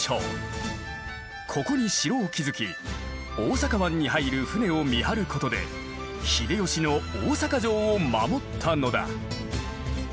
ここに城を築き大阪湾に入る船を見張ることで秀吉の大坂城を守ったのだ。